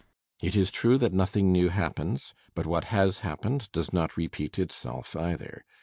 ] It is true that nothing new happens; but what has happened does not repeat itself either.